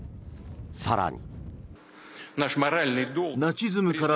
更に。